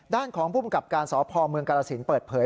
ด้านของภูมิกับการสพเมืองกรสินเปิดเผย